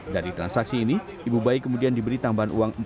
dari transaksi ini ibu bayi kemudian diberi tambahan uang